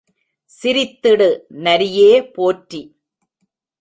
சிரித்திடு நரியே போற்றி!